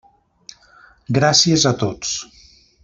Gràcies a tots.